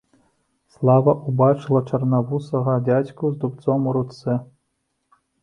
Слава ўбачыла чарнавусага дзядзьку з дубцом у руцэ.